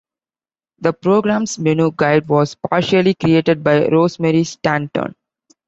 The program's menu guide was partially created by Rosemary Stanton.